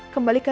terima kasih bu